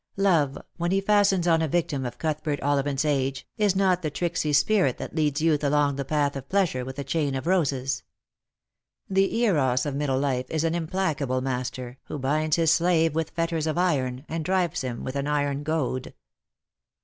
Love, when he fastens on a victim of Outhbert Ollivant's age, is not the tricksy spirit that leads youth along the path of pleasure with a chain of roses. The Eros of middle life is an implacable master, who binds his slave with fetters of iron, and drives him with an iron goad.